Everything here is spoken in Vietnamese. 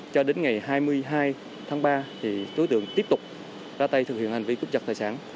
hai mươi hai tháng ba thì đối tượng tiếp tục ra tay thực hiện hành vi cướp giật tài sản